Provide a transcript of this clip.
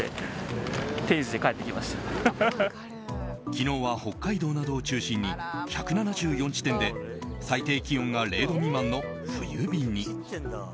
昨日は北海道などを中心に１７４地点で最低気温が０度未満の冬日に。